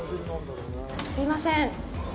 すいません。